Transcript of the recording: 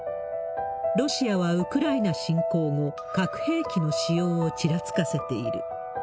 ロシアはウクライナ侵攻後、核兵器の使用をちらつかせている。